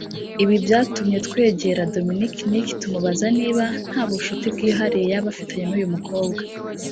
Ibi byatumye Twegera Dominic Nick tumubaza niba nta bucuti bwihariye yaba afitanye n’uyu mukobwa